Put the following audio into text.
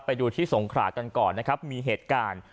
ไปดูที่สงขรากันก่อนนะครับมีเหตุการณ์